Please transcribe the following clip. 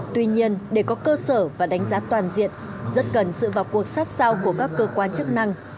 tuy nhiên để có cơ sở và đánh giá toàn diện rất cần sự vào cuộc sát sao của các cơ quan chức năng